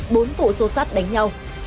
bốn vụ xô xát đánh nhau